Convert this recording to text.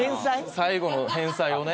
最後の返済をね。